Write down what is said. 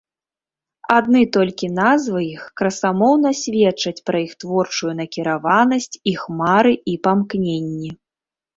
Адны толькі назвы іх красамоўна сведчаць пра іх творчую накіраванасць, іх мары і памкненні.